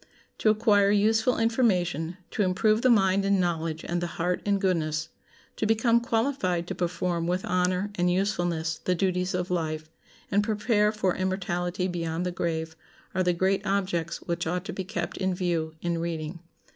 To acquire useful information, to improve the mind in knowledge and the heart in goodness, to become qualified to perform with honor and usefulness the duties of life, and prepare for immortality beyond the grave, are the great objects which ought to be kept in view in reading.